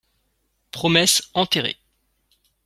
Promesse enterrée